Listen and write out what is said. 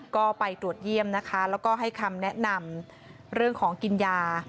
ก็ไปตรวจเยี่ยมนะคะแล้วก็ให้คำแนะนำเรื่องของกินยา